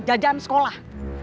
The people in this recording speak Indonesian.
tiga jam sekolah